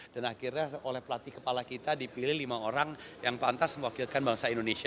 dan akhirnya oleh pelatih kepala kita dipilih lima orang yang pantas mewakilkan bangsa indonesia